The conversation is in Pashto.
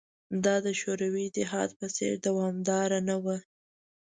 دا د شوروي اتحاد په څېر دوامداره نه وه